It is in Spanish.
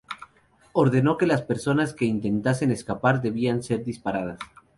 Ordenó que las personas que intentasen escapar debían ser disparadas.